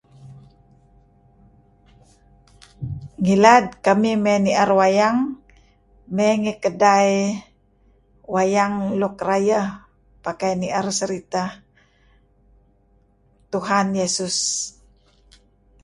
Ngilad kamih mey ni'er wayang mey ngi kedai wayang luk rayeh pakai ni'er seritah Tuhan Yesus.